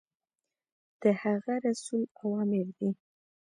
د هغه رسول اوامر دي.